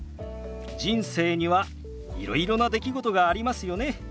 人生にはいろいろな出来事がありますよね。